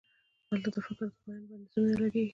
هلته د فکر په بیان باندې بندیزونه نه لګیږي.